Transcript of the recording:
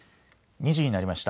２時になりました。